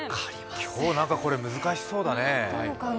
今日難しそうだね。